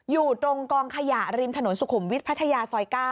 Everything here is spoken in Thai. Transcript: อยู่ตรงกองขยะริมถนนสุขุมวิทย์พัทยาซอย๙